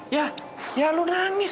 ya ya lu nangis